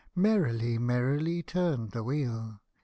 " Merrily, merrily turned the wheel